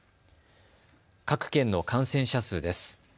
各県の感染者数です。